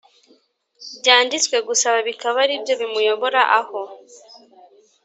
Byanditswe gusa bikaba ari byo bimuyobora aho